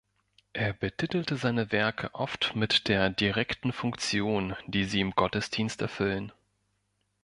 Er betitelte seine Werke oft mit der direkten Funktion, die sie im Gottesdienst erfüllen.